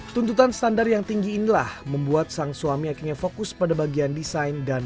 tuntutan standar yang tinggi inilah membuat sang suami akhirnya fokus pada bagian desain dan